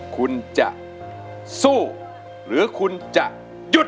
คุณจะสู้หรือคุณจะหยุด